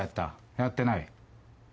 やってない？